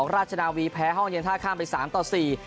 ราชนาวีแพ้ห้องเย็นท่าข้ามไป๓๔